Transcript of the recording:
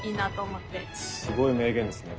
すごい名言ですね。